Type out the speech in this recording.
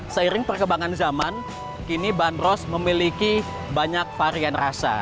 seiring perkembangan zaman kini bandros memiliki banyak varian rasa